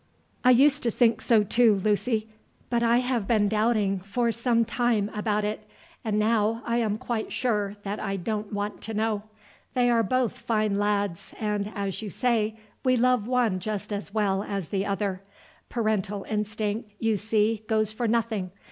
"I used to think so too, Lucy; but I have been doubting for some time about it, and now I am quite sure that I don't want to know. They are both fine lads, and, as you say, we love one just as well as the other. Parental instinct, you see, goes for nothing.